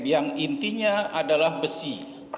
yang intinya adalah besi